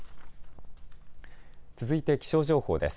続いて気象情報です。